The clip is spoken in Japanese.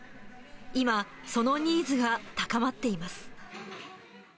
今、そのニーズが高まっています。